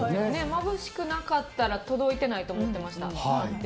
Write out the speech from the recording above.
まぶしくなかったら届いてないと思ってました。